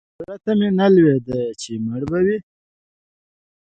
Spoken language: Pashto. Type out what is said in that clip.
زړه ته مې نه لوېده چې مړ به وي.